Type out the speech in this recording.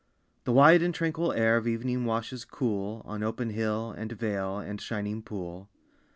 The wide and tranquil air Of evening washes cool On open hill, and vale, And shining pool.